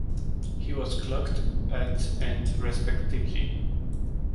He was clocked at and respectively.